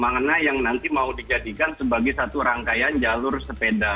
mana yang nanti mau dijadikan sebagai satu rangkaian jalur sepeda